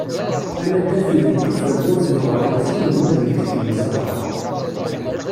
Anadaf ileddi-d tawwurt n uɣerbaz, inelmaden keččmen s abraḥ.